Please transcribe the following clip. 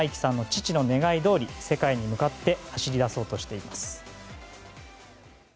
父の願いどおり、世界に向かって走り出そうとしています。